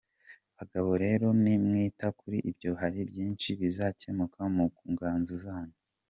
Bagabo rero, nimwita kuri ibyo hari byinshi bizakemuka mu ngo zanyu.